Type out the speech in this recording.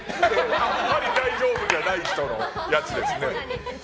あまり大丈夫じゃない人のやつですよね。